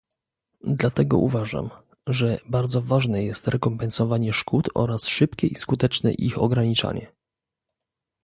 Dlatego uważam, że bardzo ważne jest rekompensowanie szkód oraz szybkie i skuteczne ich ograniczanie